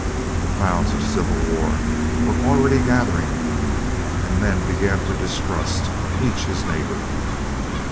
The clouds of Civil War were already gathering, and men began to distrust each his neighbor.